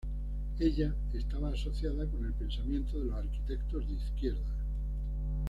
Ella estaba asociada con el pensamiento de los arquitectos de izquierda.